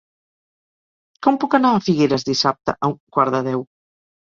Com puc anar a Figueres dissabte a un quart de deu?